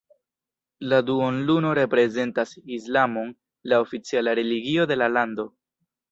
La duonluno reprezentas Islamon, la oficiala religio de la lando.